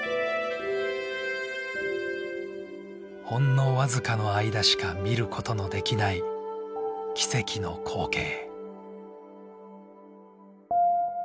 ほんの僅かの間しか見ることのできない奇跡の光景。